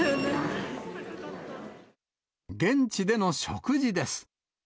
現地での食事です。